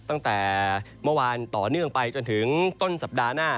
ตั้งแต่เมื่อวานต่อเนื่องไปจนถึงต้นสัปดาห์หน้า